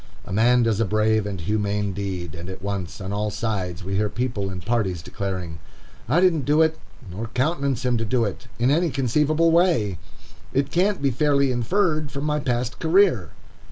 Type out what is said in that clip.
A man does a brave and humane deed, and at once, on all sides, we hear people and parties declaring, "I didn't do it, nor countenance him to do it, in any conceivable way. It can't be fairly inferred from my past career."